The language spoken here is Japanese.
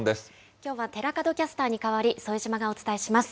きょうは寺門キャスターに代わり、副島がお伝えします。